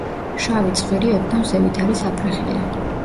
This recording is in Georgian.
შავი ცხვირი ოდნავ ზევით არის აპრეხილი.